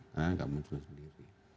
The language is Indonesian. karena itu tidak muncul sendiri